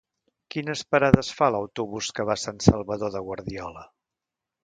Quines parades fa l'autobús que va a Sant Salvador de Guardiola?